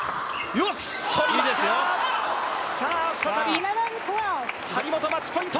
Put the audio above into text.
さあ、再び、張本、マッチポイント。